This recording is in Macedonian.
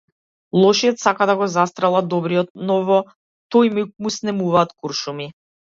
Лошиот сака да го застрела добриот, но во тој миг му снемуваат куршуми.